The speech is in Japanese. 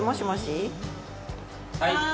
はい！